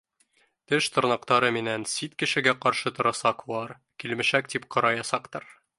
Теш-тырнаҡтары менән сит кешегә ҡаршы торасаҡ улар, килмешәк тип ҡараясаҡтар